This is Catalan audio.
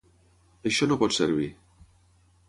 Això no pot servir.